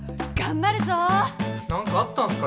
何かあったんすか？